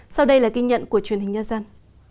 sau đây là ghi nhận của truyền hình nhân dân